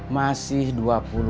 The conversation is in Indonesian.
masih dua puluh tahun ya